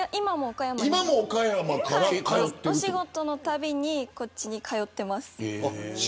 お仕事のたびにこっちに通っています。